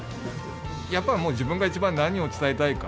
やっぱもう自分が一番何を伝えたいか。